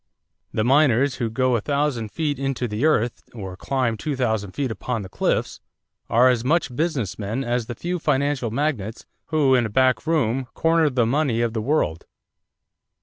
The miners who go a thousand feet into the earth or climb two thousand feet upon the cliffs ... are as much business men as the few financial magnates who in a back room corner the money of the world....